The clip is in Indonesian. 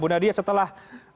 bu nadia setelah